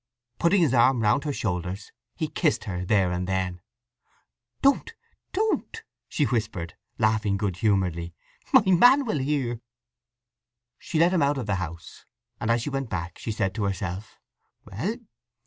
Putting his arm round her shoulders he kissed her there and then. "Don't don't," she whispered, laughing good humouredly. "My man will hear." She let him out of the house, and as she went back she said to herself: "Well!